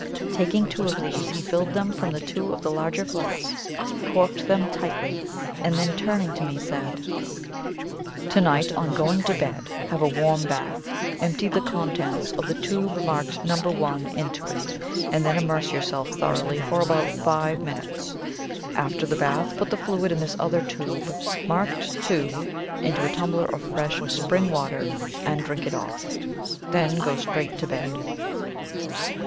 Taking two of these he filled them from two of the larger flasks, corked them tightly, and then turning to me, said: "To night, on going to bed, have a warm bath, empty the contents of the tube marked No. 1 into it, and then immerse yourself thoroughly for about five minutes. After the bath, put the fluid in this other tube marked 2, into a tumbler of fresh spring water, and drink it off. Then go straight to bed."